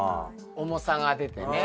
重さが出てね。